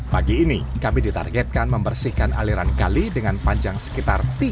pagi ini kami ditargetkan membersihkan aliran kali dengan panjang sekitar tiga meter